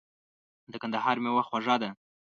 د کندهار مېوه خوږه ده .